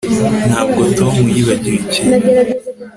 Ntabwo Tom yibagiwe ikintu